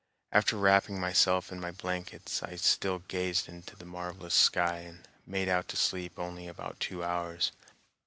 After wrapping myself in my blankets, I still gazed into the marvelous sky and made out to sleep only about two hours.